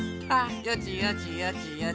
よちよちよちよち。